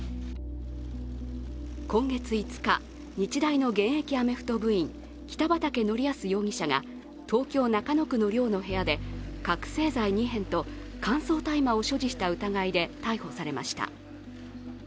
今月５日、日大の現役アメフト部員北畠成文容疑者が東京・中野区の寮の部屋で覚醒剤２片と乾燥大麻を所持した疑いで逮捕されました。